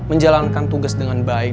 menjalankan tugas dengan baik